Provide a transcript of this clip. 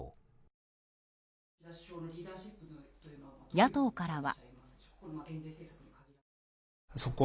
野党からは。